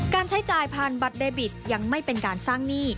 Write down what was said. ใช้จ่ายผ่านบัตรเดบิตยังไม่เป็นการสร้างหนี้